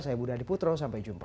saya budha diputro sampai jumpa